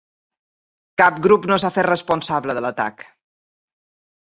Cap grup no s’ha fet responsable de l’atac.